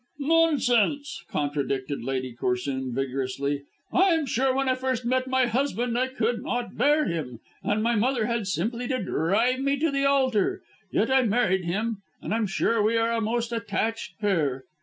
"Nonsense," contradicted Lady Corsoon vigorously. "I'm sure when I first met my husband I could not bear him, and my mother had simply to drive me to the altar. Yet I married him, and I'm sure we are a most attached pair."